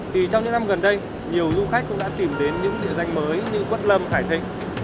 thì trong những năm gần đây nhiều du khách cũng đã tìm đến những địa danh mới như quất lâm hải thịnh